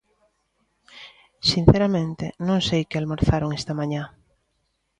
Sinceramente, non sei que almorzaron esta mañá.